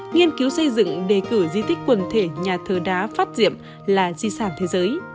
nghiên cứu xây dựng đề cử di tích quần thể nhà thờ đá phát diệm là di sản thế giới